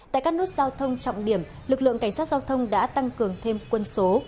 tại các nút giao thông trọng điểm lực lượng cảnh sát giao thông đã tăng cường thêm quân số